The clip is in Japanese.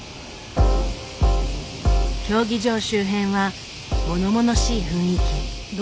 競技場周辺はものものしい雰囲気。